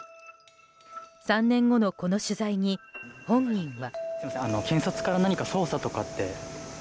３年後のこの取材に本人は。